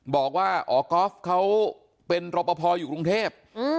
บอกว่าอ๋อก๊อฟเขาเป็นรอปภอยู่กรุงเทพ